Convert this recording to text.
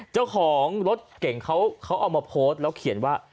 เจ้าของรถเก่งเขาเอามาโพสต์แล้วเขียนว่า